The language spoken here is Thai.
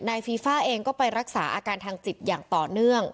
ฟีฟ่าเองก็ไปรักษาอาการทางจิตอย่างต่อเนื่อง